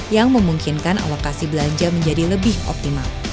yang memungkinkan alokasi belanja menjadi lebih optimal